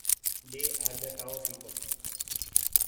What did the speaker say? They are the Tao people.